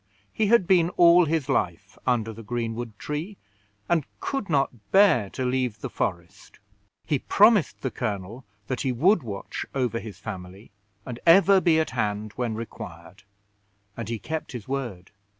He had been all his life under the greenwood tree, and could not bear to leave the forest. He promised the colonel that he would watch over his family, and ever be at hand when required; and he kept his word.